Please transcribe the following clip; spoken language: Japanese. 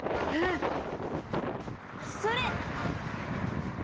うん。それ！